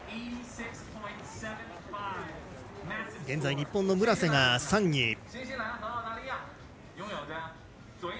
現在、日本の村瀬が３位。